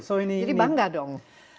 jadi bangga dong